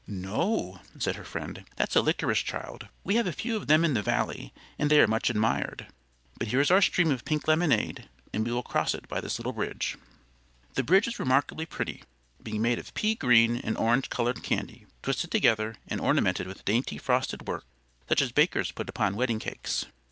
"No," said her friend, "that's a licorice child. We have a few of them in the Valley and they are much admired. But here is our stream of pink lemonade, and we will cross it by this little bridge." The bridge was remarkably pretty, being made of pea green and orange colored candy, twisted together and ornamented with dainty frosted work such as bakers put upon wedding cakes.